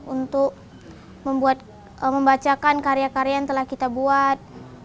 untuk membacakan karya karya yang telah kita buat